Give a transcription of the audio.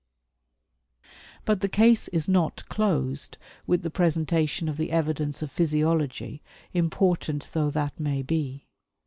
But the case is not closed with the presentation of the evidence of physiology, important though that may be.